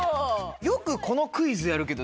よくこのクイズやるけど